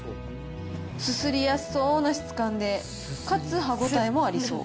すすりやすそうな質感で、かつ歯応えもありそう。